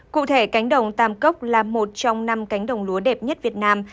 cụ thể cánh đồng tam cốc là một trong năm cánh đồng lúa đẹp nhất việt nam